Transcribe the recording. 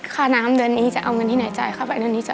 ค่ะน้ำเดือนนี้จะเอาเงินที่ไหนจ่ายค่ะ